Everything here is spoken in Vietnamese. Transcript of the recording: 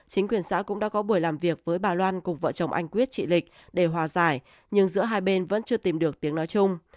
chính quyền xã cũng đã có buổi làm việc với bà loan cùng vợ chồng anh quyết chị lịch để hòa giải nhưng giữa hai bên vẫn chưa tìm được tiếng nói chung